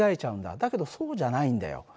だけどそうじゃないんだよ。